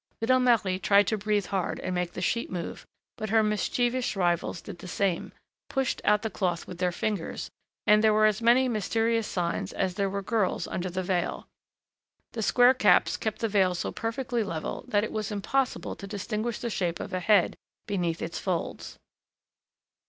Little Marie tried to breathe hard and make the sheet move, but her mischievous rivals did the same, pushed out the cloth with their fingers, and there were as many mysterious signs as there were girls under the veil. The square caps kept the veil so perfectly level that it was impossible to distinguish the shape of a head beneath its folds.